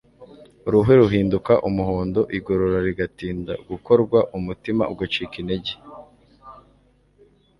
uruhu ruhinduka umuhondo, igogora rigatinda gukorwa; umutima ugacika intege